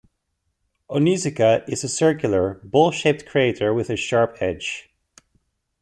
Onizuka is a circular, bowl-shaped crater with a sharp edge.